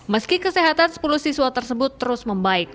meski kesehatan sepuluh siswa tersebut terus membaik